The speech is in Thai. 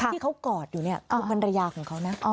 ที่เขากอดอยู่เนี่ยคือภรรยาของเขานะ